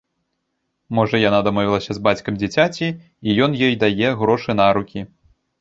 Можа, яна дамовілася з бацькам дзіцяці, і ён ёй дае грошы на рукі.